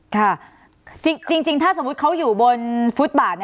ค่ะจริงถ้าสมมุติเขาอยู่บนฟุตบาท